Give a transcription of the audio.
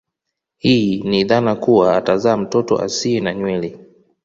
Hii ni dhana kuwa atazaa mtoto asie na nywele